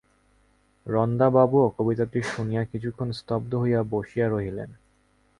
রণদাবাবুও কবিতাটি শুনিয়া কিছুক্ষণ স্তব্ধ হইয়া বসিয়া রহিলেন।